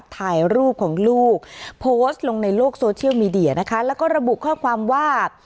ถ่ายรูปของลูกโพสต์ลงในโลกโซเชียลมีเดียนะคะแล้วก็ระบุข้อความว่า